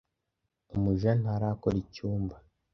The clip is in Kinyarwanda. Umuja ntarakora icyumba.